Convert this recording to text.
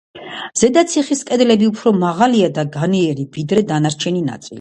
ზედა ციხის კედლები უფრო მაღალი და განიერია ვიდრე დანარჩენი ნაწილი.